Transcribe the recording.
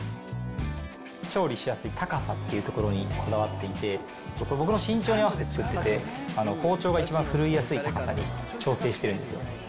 調理しやすい高さっていうところにこだわっていて、僕の身長に合わせて作っていて、包丁が一番ふるいやすい高さに調整しているんですよ。